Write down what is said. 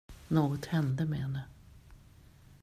Något hände med henne.